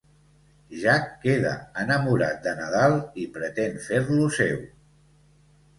Jack queda enamorat de Nadal i pretén fer-lo seu.